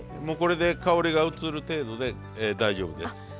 もうこれで香りが移る程度で大丈夫です。